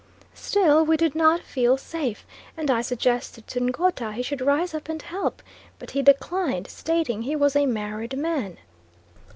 Still we did not feel safe, and I suggested to Ngouta he should rise up and help; but he declined, stating he was a married man.